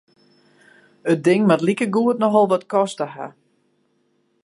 It ding moat likegoed nochal wat koste ha.